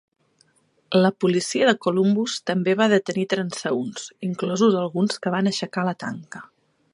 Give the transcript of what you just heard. La policia de Columbus també va detenir transeünts, inclosos alguns que van aixecar la tanca.